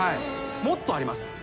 もっとあります。